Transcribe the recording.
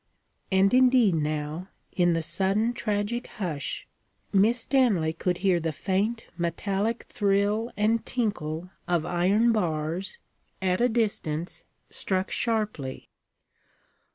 And indeed now, in the sudden tragic hush, Miss Stanley could hear the faint metallic thrill and tinkle of iron bars, at a distance, struck sharply.